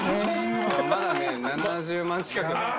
まだね７０万近くある。